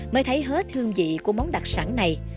mới thấy hết hương vị của món đặc sản này